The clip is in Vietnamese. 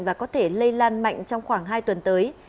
và có thể lây lan mạnh trong khoảng hai tuần tới